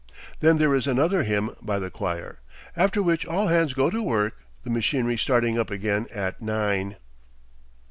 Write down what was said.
Then there is another hymn by the choir; after which all hands go to work, the machinery starting up again at nine.